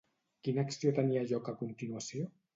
Quina acció tenia lloc a continuació?